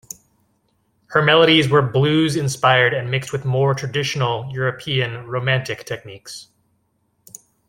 Her melodies were blues-inspired and mixed with more traditional, European Romantic techniques.